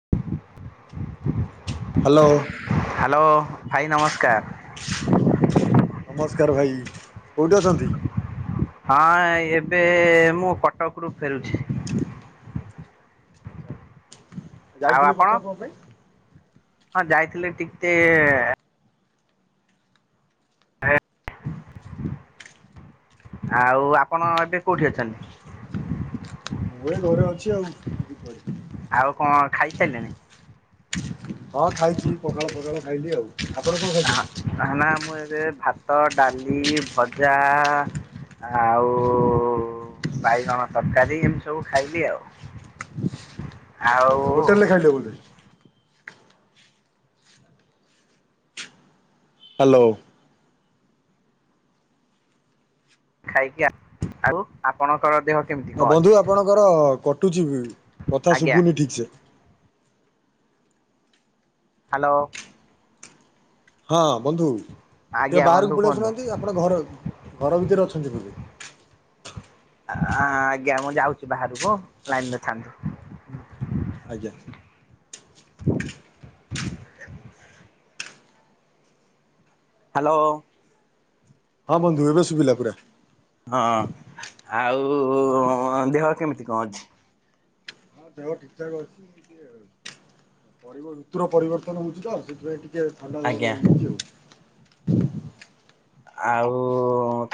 [inaudible] Hello. Hello ଭାଇ ନମସ୍କାର। ନମସ୍କାର ଭାଇ କୋଉଠି ଅଛନ୍ତି? ହଁ ଏବେ ମୁଁ କଟକରୁୁ ଫେରୁଛି। ଆଉ ଯାଇଥିଲେ ଆପଣ? କଟକ କଣ ପାଇଁ? ହଁ ଯାଇଥିଲି ଟିକ୍ ତେ [unintelligible] ଆଉ ଆପଣ ଏବେ କୋଉଠି ଅଛନ୍ତି? ମୁଁ ଏ ଘରେ ଅଛି ଆଉ। ଯିବି କୁଆଡେ। ଆଉ କଣ ଖାଇସାରିଲେଣି? ହଁ ଖାଇଛି ପଖାଳ ପଖାଳ ଖାଇଲି ଆଉ। ଆପଣ କଣ ଖାଇଛନ୍ତି? ନା ନା ମୁଁ ଏବେ ଭାତ ଡାଲି ଭଜା ଆଉ ବାଇଗଣ ତରକାରୀ ଏମିତି ସବୁ ଖାଇଲି ଆଉ। ଆଉ ହୋଟେଲ ରେ ଖାଇଲେ ବୋଧେ। ହ୍ୟାଲୋ। ଖାଇକି ଆ ଆଉ ଆପଣଙ୍କର ଦେହ କେମିତି କଣ ଆ ଅଛି? ବନ୍ଧୁ ଆପଣଙ୍କର କଟୁଛି କଥା ଆଜ୍ଞା ଶୁଭୁନି ଠିକ ସେ। ହ୍ୟାଲୋ। ହଁ ବନ୍ଧୁ ଟିକେ ଆଜ୍ଞା ବନ୍ଧୁ ବାହାରକୁ ପଳେଇ କୁହନ୍ତୁ। ଆଶୁନାହାନ୍ତି ଆପଣ ଘର ଘର ଭିତରେ ଅଛନ୍ତି ବୋଧେ। ଆଜ୍ଞା ମୁଁ ଯାଉଛି ବାହାରକୁ ଲାଇନରେ ଥାଆନ୍ତୁ। ହୁଁ ଆଜ୍ଞା। [inaudible] ହ୍ୟାଲୋ। ହଁ ବନ୍ଧୁ ଏବେ ଶୁଭିଲା ପୁରା। ହଁ ଆଉ ଦେହ କେମିତି କଣ ଅଛି? ହଁ ଦେହ ଠିକ ଠାକ ଅଛି। ଟିକେ ଋତୁର ପରିବର୍ତ୍ତନ ହଉଛି ତ ସେଥିପାଇଁ ଟିକେ ଟିକେ ଥଣ୍ଡା ଜର ଆଜ୍ଞା ହେଇଯାଇଛି ଆଉ। ଆଉ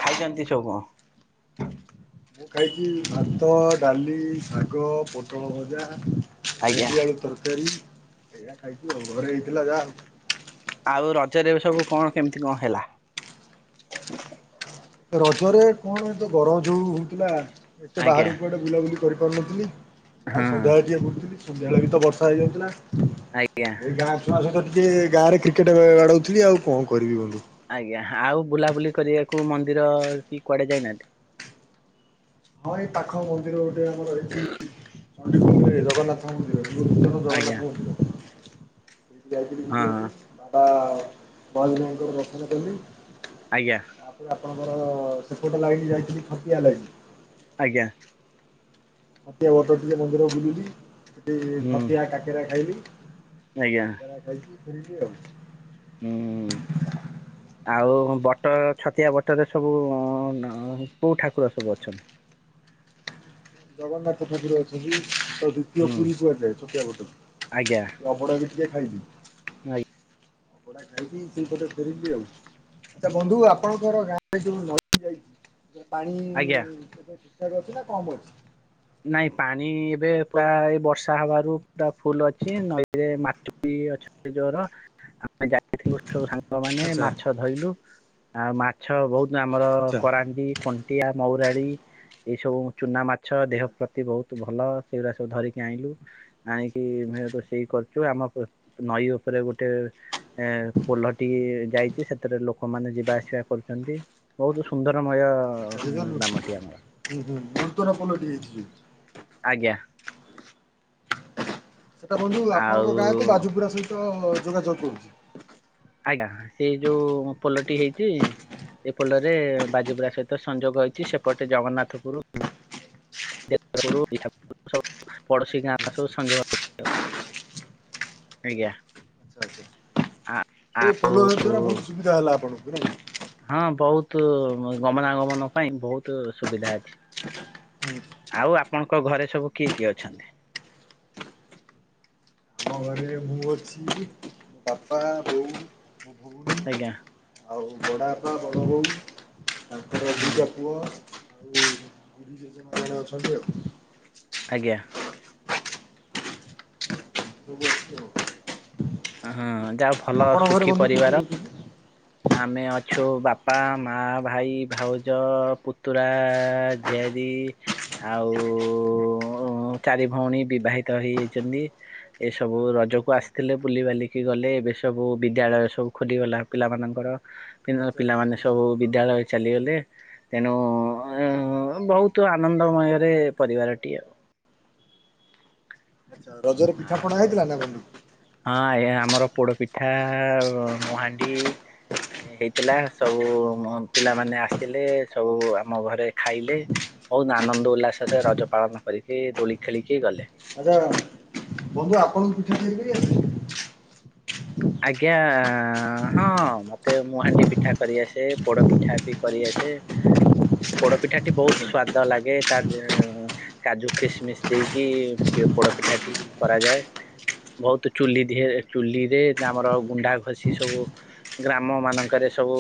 ଖାଇଛନ୍ତି ସବୁ କଣ? ମୁଁ ଖାଇଛି ଭାତ ଡାଲି ଶାଗ ପୋଟଳ ଭଜା। ଆଜ୍ଞା ଭେଣ୍ଡି ଆଳୁ ତରକାରୀ ଏଇଆ ଖାଇଥିଲୁ। ଘରେ ହେଇଥିଲା ଯାହା। ଆଉ ରଜରେ ସବୁ କଣ କେମିତି କଣ ହେଲା? ରଜରେ କଣ ତ ଗରମ ଯୋଉ ହଉଥିଲା ଏତେ ଆଜ୍ଞା ବାହାରକୁ କୁଆଡେ ବୁଲାବୁଲି କରିପାରୁନଥିଲି ଯାହା ହଁ ସନ୍ଧ୍ୟାବେଳେ ଟିକେ ବୁଲୁଥିଲି ସନ୍ଧ୍ୟା ବେଳେ ବି ତ ବର୍ଷା ହେଇଯାଉଥିଲା। ଆଜ୍ଞା। ଏଇ ଗାଁ ଛୁଆ ସହିତ ଟିକେ ଗାଁରେ କ୍ରିକେଟ ବାଡଉଥିବି ଆଉ କଣ କରିବି ବନ୍ଧୁ। ଆଜ୍ଞା ଆଉ ବୁଲାବୁଲି କରିବାକୁ ମନ୍ଦିର କି କୁଆଡେ ଯାଇନାହାନ୍ତି? ହଁ ଏଇ ପାଖ ମନ୍ଦିର ଗୋଟେ ଆମର ଏଇଛି ଚଣ୍ଡିଖୋଲର ଜଗନ୍ନାଥ ମନ୍ଦିର। [unintelligible] ଆଜ୍ଞା ଜଗନ୍ନାଥ୍ ମନ୍ଦିର ଯାଇଥିଲି ହଁ ଦେଖିବାକୁ। ତା ପରେ ମନ୍ଦିର ଦର୍ଶନ କଲି। ଆଜ୍ଞା ତାପରେ ଆପଣଙ୍କର ସେପଟ ଲାଇନ ଯାଇଥିଲି ଛତିଆ ଲାଇନ। ଆଜ୍ଞା। ଛତିଆ ବଟ ଟିକେ ମନ୍ଦିର ବୁଲିଲି। ସେଠି ହୁଁ ଛତିଆ କାକେରା ଖାଇଲି। ଆଜ୍ଞା। ଏରା ଖାଇକୀ ଫେରିଲି ଆଉ। ହୁଁ। ଆଉ ବଟ ଛତିଆ ବଟରେ ସବୁ କୋଉ ଠାକୁର ସବୁ ଅଛନ୍ତି? ଜଗନ୍ନାଥ ଠାକୁର ଅଛନ୍ତି। ତାକୁ ଦ୍ଵିତୀୟ ହୁଁ ପୁରୀ କୁହାଯାଏ ଛୋଟିଆ ବଟକୁ। ଅଭଡ଼ା ଟିକେ ଖାଇଲି। ଆଜ୍ଞା। ଭଡା ଖାଇକି ସେଇପଟେ ଫେରିଲି ଆଉ। ତ ବନ୍ଧୁ ଆପଣଙ୍କର ଗାଁରେ ଯୋଉ ନଇଟି ଯାଇଛି ପାଣି ଆଜ୍ଞା ଏବେ ଠିକ ଠାକ ଅଛି ନା କମ୍ ଅଛି? ନାଇଁ ପାଣି ଏବେ ପୁରା ଏଇ ବର୍ଷା ହବାରୁ ପୁରା ଫୁଲ ଅଛି ନଈରେ ମାଟି ବି ଅ ଜୋର ଆମେ ଯାଇଥିଲୁ ସବୁ ସାଙ୍ଗ ମାନେ ଆଚ୍ଛା ମାଛ ଧରିଲୁ ଆଉ ମାଛ ବହୁତ ଆମର ଆଚ୍ଛା। କରାଣ୍ଡି କଣ୍ଟିଆ ମହୁରାଳି ଏଇ ସବୁ ଚୁନା ମାଛ ଆଚ୍ଛା ଦେହ ତି ବହୁତ ଭଲ ସେଉରା ସବୁ ଧରିକି ଆଣିଲୁ। ଆଣିକି ମେଁ ରୋଷେଇ କରୁଛୁ ଆମ ନଈ ଉପରେ ଗୋଟେ ଏ ପୋଲଟିଏ ଯାଇଛି ସେଥିରେ ଲୋକମାନେ ଯିବା ଆସିବା କରୁଛନ୍ତି। ବହୁତ ସୁନ୍ଦରମୟ ଗ୍ରାମଟି ଆମର [unintelligible] ଆଜ୍ଞା। ସେଟା ବନ୍ଧୁ ଆପଣଙ୍କ ଗାଁ କୁ ଆଉ ବାଜୁପୁରା ସହିତ ଯୋଗାଯୋଗ କରୁଛି। ଆଜ୍ଞା ସେଇ ଯୋଉ ପୋଲଟି ହେଇଛି ଏ ପୋଲରେ ବାଜିପୁରା ସହିତ ସଂଯୋଗ ହେଇଛି ସେପଟେ ଜଗନ୍ନାଥପୁର [unintelligible] ପଡୋଶୀ ଆଚ୍ଛା ଆଚ୍ଛା ଗାଁ ସବୁ ସଂଯୋଗ ଅଛି ଆଉ। ଆଜ୍ଞା। ଆ ଏ ପୋଲୋ ହେବା ଦ୍ୱାରା ବହୁତ ସୁବିଧା ହେଲା ଆପଣଙ୍କୁ ନାଇଁ। ହଁ ବହୁତ ଗମନାଗମନ ପାଇଁ ବହୁତ ସୁବିଧା ଅଛି। ଆଉ ଆପଣଙ୍କ ଘରେ ସବୁ କିଏ କିଏ ଅଛନ୍ତି। ଆମ ଘରେ ମୁଁ ଅଛି। ବାପା ବୋଉ ମୋ ଭୋଉଣୀ। ଆଜ୍ଞା। ଆଉ ବଡ଼ାଆପା ବଡ଼ବୋଉ। ହଁ। ତୋ ପୁଅ। ହୁଁ। [unintelligible] ଜେଜେମା। ମାନେ ଅଛନ୍ତି ଆଉ। ଆଜ୍ଞା। [inaudible] ଅଁହଁ ଯାହଉ ଭଲ ଆପଣଙ୍କ ଘରେ ସୁଖୀ ବନ୍ଧୁ କିଏ କିଏ ପରିବାର। ରହୁଛନ୍ତି? ଆମେ ଅଛୁ ବାପା ମା ଭାଇ ଭାଉଜ ପୁତୁରା ଝିଆରୀ ଆଉ ଚାରି ଭଉଣୀ ବିବାହିତ ହେଇଯାଇଚନ୍ତି। ଏ ସବୁ ରଜକୁ ଆସିଥିଲେ ବୁଲିିବାଲିକି ଗଲେ ଏବେ ସବୁ ବିଦ୍ୟାଳୟ ସବୁ ଖୋଲିଗଲା ପିଲାମାନ ଙ୍କର ପିନ ଆଚ୍ଛା ଆଚ୍ଛା ପିଲାମାନେ ହଁ ହଁ। ସବୁ ବିଦ୍ୟାଳୟେ ଚାଲିଗଲେ। ତେଣୁ ଅ ବହୁତ ଆନନ୍ଦମୟରେ ପରିବାରଟିଏ ଆଉ। ଆଚ୍ଛା ରଜରେ ପିଠାପଣା ଆଉ ହେଇଥିଲା ନା ବନ୍ଧୁ। ହଁ ଆଜ୍ଞା ଆମର ପୋଡ ପିଠା ମୁଁହାଣ୍ଡି ହେଇଥିଲା ସବୁ ମ ପିଲାମାନେ ଆସିଥିଲେ ସବୁ ଆମ ଘରେ ଖାଇଲେ। ବହୁତ ଆନନ୍ଦ ଉଲ୍ଲାସରେ ରଜ ପାଳନ କରିକି ଦୋଳି ଖେଳିକି ଗଲେ। [unintelligible] ଆଜ୍ଞା ହଁ ମତେ ମୁଁହାଣ୍ଡି ପିଠା କରିଆସେ ପୋଡ ପିଠା ବି କରିଆସେ। ପୋଡପିଠାଟି ବହୁତ ସ୍ଵାଦ ଲାଗେ ତା ଦେ କାଜୁ ଖିସ ମିସ୍ ଦେଇକି ପି ପୋଡପିଠାଟି କରାଯାଏ। ବହୁତ ଚୁଲି ଦିହରେ ଚୁଲି ରେ ଯେ ଆମର ଗୁଣ୍ଡା ଘଷି ସବୁ ଗ୍ରାମମାନଙ୍କରେ ସବୁ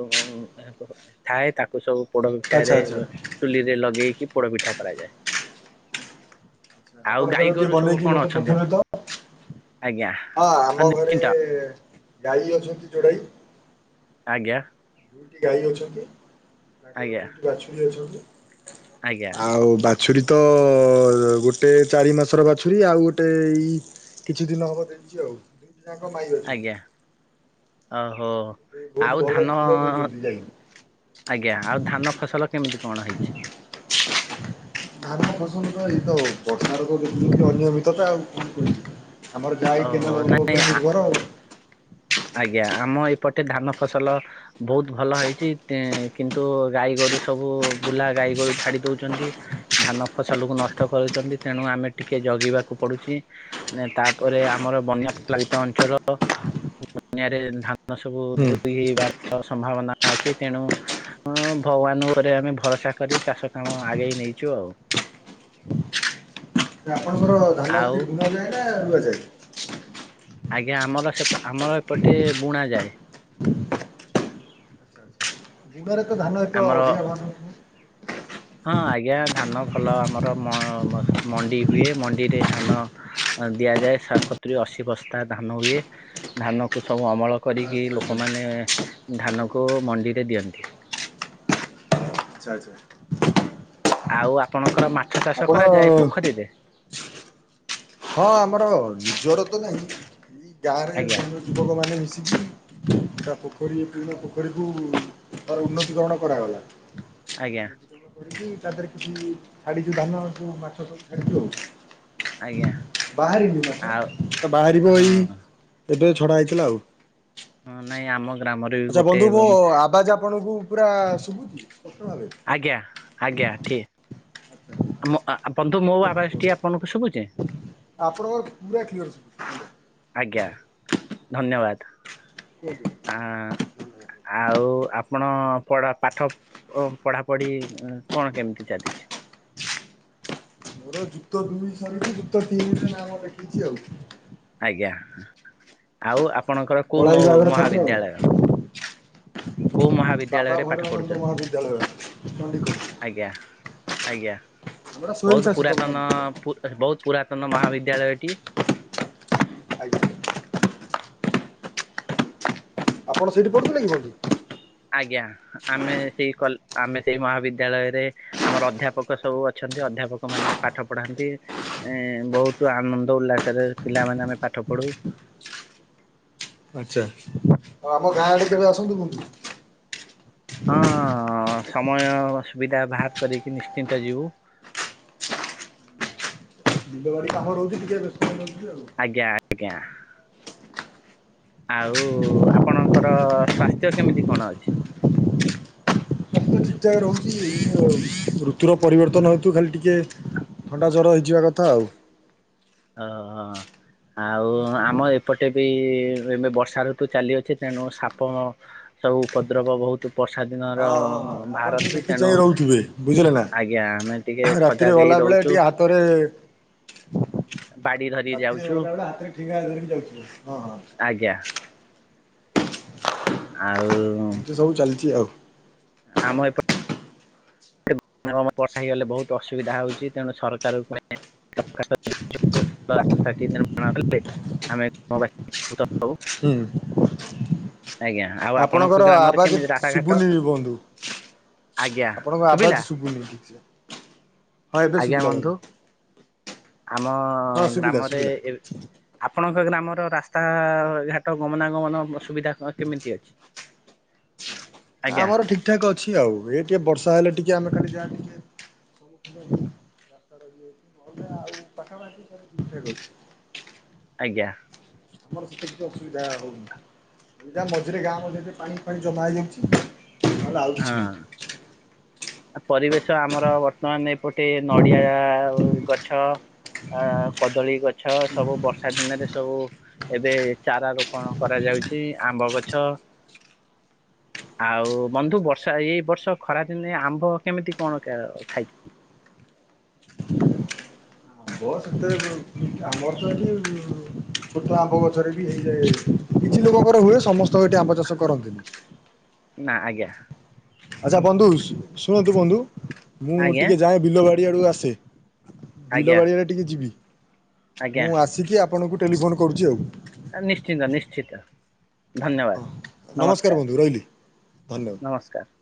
[unintelligible] ଥାଏ ତାକୁ ସବୁ ଆଚ୍ଛା ପୋଡପିଠାରେ ଆଚ୍ଛା। ଚୁଲିରେ ଲଗେଇକି ପୋଡପିଠା କରାଯାଏ। ଆପଣ ଆଉ ଗାଈ କେବେ ଟିକେ ଗୋରୁ ସବୁ ବନେଇକି କଣ ମତେ ଅଛନ୍ତି ପଠେଇବେ ତ? ଆପଣଙ୍କର ଆଜ୍ଞା। ହଁ ଆମ ଘରେ ଗାଈ ଅଛନ୍ତି ଯୋଡାଏ। ଆଜ୍ଞା। ଦୁଇଟି ଗାଈ ଅଛନ୍ତି ତାଙ୍କର ଆଜ୍ଞା ଦୁଇଟି ବାଛୁରୀ ଅଛନ୍ତି ଆଜ୍ଞା ଆଉ ବା ଛୁରୀ ତ ଗୋଟେ ଚାରି ମାସର ବାଛୁରୀ ଆଉ ଗୋଟେ ଏଇ କିଛି ଦିନ ହବ ଦେଇଚି ଆଉ। ପିଲାଙ୍କ ପାଇଁ ଆଜ୍ଞା ଓହୋ ବହୁତ ଆଉ ଭଲ ଧାନ କ୍ଷୀର ଦଉଛନ୍ତି ଗାଈ। ଆଜ୍ଞା ଆଉ ଧାନ ଫସଲ କେମିତି କଣ ହେଇଚି? ଧାନ ଫସଲ ତ ଏଇ ତ ଆଉ ବର୍ଷା ର ଯୋଗୁ ତ ଅନିୟମିତତା ଆଉ କଣ କହିବି। ଆମର ଓହୋ ଯାଇଥିଲୁ ନାଇଁ [unintelligible] ଆଜ୍ଞା ଆମ ଏପଟେ ଧାନ ଫସଲ ବହୁତ ଭଲ ହେଇଚି କିନ୍ତୁ ଗାଈ ଗୋରୁ ସବୁ ବୁଲା ଗାଈ ଗୋରୁ ଛାଡ଼ି ଦଉଚନ୍ତି। ଧାନ ଫସଲକୁୁ ନଷ୍ଟ କରୁଚନ୍ତି ତେଣୁ ଆମେ ଟିକେ ଜଗିବାକୁ ପଡ଼ୁଚି। ନାଇଁ ତାପରେ ଆମର ବନ୍ୟା ପ୍ରଭାବିତ ଅଞ୍ଚଳ ବନ୍ୟାରେ ଧାନ ସବୁ ହୁଁ ଧୋଇବାର ସମ୍ଭାବନା ଅଛି ତେଣୁ ହଁ ଭଗବାନ ଉପରେ ଆମେ ଭରସା କରି ଚାଷ କାମ ଆଗେଇ ନେଇଚୁ ଆଉ। ଯେ ଆପଣଙ୍କର ଧାନ ଆଉ ସେଠି ବୁଣା ଯାଏ ନା ରୁଆଯାଏ? ଆଜ୍ଞା ଆମର ସେପ ଆମର ଏପଟେ ବୁଣା ଯାଏ। ବିଲରେ ତ ଧାନ ଏତେ ଆମର ଅଧିକା ହଉନି। ହଁ ଆଜ୍ଞା ଧାନ ଭଲ ଆମର ମ ମଣ୍ଡି ହୁଏ ମଣ୍ଡିରେ ଧାନ ହଁ ଦିଆଯାଏ ସ ସତୁରି ଅଶୀ ବସ୍ତା ଧାନ ହୁଏ। ଧାନକୁ ସବୁ ଅମଳ କରିକି ଆଚ୍ଛା ଆଚ୍ଛା ଲୋକମାନେ ଧାନକୁ ମଣ୍ଡିରେ ଦିଅନ୍ତି। ଆଚ୍ଛା ଆଚ୍ଛା ଆଉ ଆପଣଙ୍କର ମାଛ ଚାଷ କରାଯାଏ ଆପଣ ପୋଖରୀରେ? ହଁ ଆମର ନିଜର ତ ନାହିଁ ଇ ଗାଁରେ ଆଜ୍ଞା ଜନ ଯୁବକମାନେ ମିଶିକି ତା ପୋଖରୀ ପୁରୁଣା ପୋଖରୀକୁ ତାର ଉନ୍ନତିକରଣ କରାଗଲା। ଆଜ୍ଞା ଉନ୍ନତିକରଣ ତା ଦେହରେ କିଛି ଛାଡ଼ିଛୁ ଧାନ ସୁ ମାଛ ସ ଛାଡ଼ିଛୁ ଆଉ। ଆଜ୍ଞା ବାହାରିନି ମାଛ ଆଉ ତ ବାହାରିବ ହଁ ଏଇ ଏବେ ଛଡ଼ା ହେଇଥିଲା ଆଉ। ହଁ ନାଇଁ ଆମ ଗ୍ରାମରେ ବି ଆଚ୍ଛା ଗୋଟେ ବନ୍ଧୁ ମୋ ଉଁ, ଆବାଜ ଆପଣଙ୍କୁ ପୁରା ଶୁଭୁଛି ସ୍ପଷ୍ଟ ଭାବେ? ଆଜ୍ଞା ଆଜ୍ଞା ଠି ଆମ ଆ ବନ୍ଧୁ ମୋ ଆବାଜଟି ଆପଣଙ୍କୁ ଶୁଭୁଛି? ଆପଣଙ୍କର ପୁରା କ୍ଲିଅର ସୁବୁଛି। ଆଜ୍ଞା ଧନ୍ୟବାଦ। କୁହନ୍ତୁ ଆଁ ଆଉ ଆପଣ ପଢ଼ା ପାଠ ଓ ପଢ଼ାପଢ଼ି କଣ କେମିତି ଚାଲିଛି? ମୋର ଯୁକ୍ତ ଦୁଇ ସରିଛି ଯୁକ୍ତ ତିନିରେ ନାମ ଲେଖିଛି ଆଉ। ଆଜ୍ଞା ଆଉ ଆପଣଙ୍କର କଳା କୋଉ ମୋ ବିଭାଗର ଛାତ୍ର ଆଉ। ମହାବିଦ୍ୟାଳୟ? କୋଉ ବାବା ମହାବିଦ୍ୟାଳୟରେ ପାଠ ଭୈରବାନନ୍ଦ ପଢ଼ୁଛନ୍ତି? ମହାବିଦ୍ୟାଳୟ ଚଣ୍ଡିଖୋଲ ଆଜ୍ଞା ଆଜ୍ଞା ଆମର ବହୁତ ସ୍ଵୟଂଶାସିତ ପୁରାତନ ମହାବିଦ୍ୟାଳୟ। ପୁର୍ ବହୁତ ପୁରାତନ ମହାବିଦ୍ୟାଳୟଟି। ଆଜ୍ଞା। ଆପଣ ସେଇଠି ପଢ଼ୁଥିଲେ କିି ବନ୍ଧୁ? ଆଜ୍ଞା ଆମେ ଏଇ କଲେ ଆମେ ସେଇ ମହାବିଦ୍ୟାଳୟରେ ଆମର ଅଧ୍ୟାପକ ସବୁ ଅଛନ୍ତି ଅଧ୍ୟାପକ ମାନେ ପାଠ ପଢ଼ାନ୍ତି। ଏ ବହୁତ ଆନନ୍ଦ ଉଲ୍ଲାସରେ ପିଲାମାନେ ଆମେ ପାଠ ପଢ଼ୁ। ଆଚ୍ଛା ଆଉ ଆମ ଗାଁ ଆଡ଼େ କେବେ ଆସନ୍ତୁ। ହଁ ସମୟ ସୁବିଧା ବାହାର କରିକି ନିଶ୍ଚିନ୍ତ ଯିବୁ। ବିଲବାଡ଼ି କାମ ରହୁଛି ଟିକେ ବ୍ୟସ୍ତ ରହୁଥିବେ ଆଉ। ଆଜ୍ଞା ଆଜ୍ଞା ଆଉ ଆପଣଙ୍କ ଙ୍କର ସ୍ଵାସ୍ଥ୍ୟ କେମିତି କଣ ଅଛି? ଯାହା ରହୁଛି ଋତୁର ପରିବର୍ତ୍ତନ ହେତୁ ଖାଲି ଟିକେ ଥଣ୍ଡା ଜର ହେଇଯିବା କଥା ଆଉ। ହଁ ହଁ। ଆଉ ଆମ ଏପଟେ ବି ଏବେ ବର୍ଷା ଋତୁ ଚାଲିଅଛି ତେଣୁ ସାପ ସବୁ ପତ୍ରକ ବୋହୁତ। ବର୍ଷା ଦିନର ହଁ ହଁ ହଁ ଆପଣ ଟିକେ ବାହାରନ୍ତି ଦେଖି ତେଣୁ ଚାହିଁ ରହୁଥିବେ ବୁଝିଲେ ନା। ଆଜ୍ଞା ଆମେ ଟିକେ ସଜାଗ ହେଇ ରହୁଚୁ। ତରେ ବାଡି ଧରି ରାତିରେ ଯାଉଛୁ ଗଲାବେଳେ ହାତରେ ଠେଙ୍ଗା ଧରିକି ଯାଉଥିବ ହଁ ହଁ। ଆଜ୍ଞା। ଆଉ ଏମିତି ସବୁ ଚାଲଚି ଆଉ। ଆମ ଏପ ବର୍ଷା ହେଇଗଲେ ବୋହୁତ ଅସୁବିଧା ହୋଉଚି ତେଣୁ ସରକାର ପାଇଁ [unintelligible] [unintelligible] [unintelligible] ହୁଁ। ଆଜ୍ଞା ଆଉ ଆପଣଙ୍କର ଆପଣଙ୍କ ଗ୍ରାମରେ ଆବାଜ କେମିତି ରାସ୍ତାଘାଟ। ଶୁଭୁନି ବନ୍ଧୁ। ଆଜ୍ଞା ଆପଣଙ୍କ ଶୁଭିଲା ଆବାଜ ଶୁବୁନି କିଛି ହଁ ଏବେ ଶୁବିଲା ବନ୍ଧୁ। ଆମ ହଁ ଶୁଭିଲା ଗ୍ରାମରେ ଶୁଭିଲା। ଏଇ ଆପଣଙ୍କ ଗ୍ରାମର ରାସ୍ତା ଘାଟ ଗମନାଗମନ ସୁବିଧା କେମିତି ଅଛି। ଆଜ୍ଞା ଆମର ଠିକ୍। ଠିକ ଠାକ ଅଛି ଆଉ ଏ ଟିକେ ବର୍ଷା ହେଲେ ଟିକେ ଆମେ ଖାଲି ଯା ଟିକେ ଆଉ ପାଖାପାଖି ସବୁ ଠିକଠାକ୍ ଅଛି। ଆଜ୍ଞା। ଆମର ସେତେ କିଛି ଅସୁବିଧା ହଉନି। ଇରା ମଝିରେ ଗାଁ ମଝିରେ ପାଣି ଫାଣି ଜମା ହେଇଯାଉଚି ନହେଲେ ଆଉ ହଁ କିଛି ନାହିଁ। ପରିବେଶ ଆମର ବର୍ତ୍ତମାନ ଏପଟେ ନଡିଆ ଗଛ ଆ କଦଳୀ ଗଛ ସବୁ ବର୍ଷା ଦିନରେ ସବୁ ଏବେ ଚାରା ରୋପଣ କରାଯାଉଛି ଆମ୍ବ ଗଛ ଆଉ ବନ୍ଧୁ ବର୍ଷା ଏଇ ବର୍ଷ ଖରାଦିନେ ଆମ୍ ମ୍ୱ କେମିତି କଣ ଖାଇଚନ୍ତି। [unintelligible] ଆମର ତ ଏଠି ଛୋଟ ଆମ୍ବ ଗଛରେ ବି ହେଇଯାଏ କିଛି ଲୋକଙ୍କର ହୁଏ ସମସ୍ତ ଏଠି ଆମ୍ବ ଚାଷ କରନ୍ତିନି। ନା ଆଜ୍ଞା। ଆଚ୍ଛା ବନ୍ଧୁ ଶୁଣନ୍ତୁ ବନ୍ଧୁ ମୁଁ ଆଜ୍ଞା ଟିକେ ଯାଏ ବିଲବାଡି ଆଡୁ ଆସେ। ଆଜ୍ଞା ବିଲବାଡ଼ି ଆରେ ଟିକେ ଯିବି ଆଜ୍ଞା ମୁଁ ଆସିକି ଆପଣଙ୍କୁ ଟେଲିଫୋନ କରୁଚି ଆଉ। ନିଶ୍ଚିନ୍ତ ନିଶ୍ଚିନ୍ତ। ଧନ୍ୟବାଦ ନମସ୍କାର ବନ୍ଧୁ ରହିଲି ଧନ୍ୟବାଦ। ନମସ୍କାର ନମସ୍କାର।